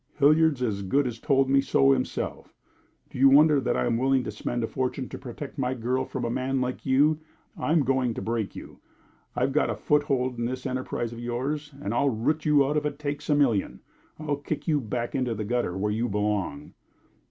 "Hilliard as good as told me so himself. Do you wonder that I am willing to spend a fortune to protect my girl from a man like you? I'm going to break you. I've got a foothold in this enterprise of yours, and I'll root you out if it takes a million. I'll kick you back into the gutter, where you belong."